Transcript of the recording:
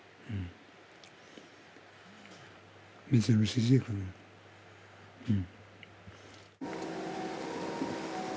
うん。